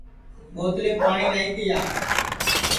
بوتلِیم پاٹؔی نائی تِیا